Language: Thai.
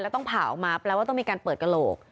ต้องผ่าออกมาแปลว่าต้องมีการเปิดกระโหลก